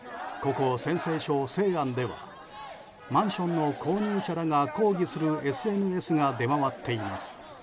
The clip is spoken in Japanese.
ここ、陝西省西安ではマンションの購入者らが抗議するＳＮＳが出回っています。